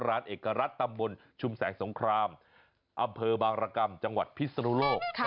ร้านเอกรัฐตำบลชุมแสงสงครามอำเภอบางรกรรมจังหวัดพิศนุโลก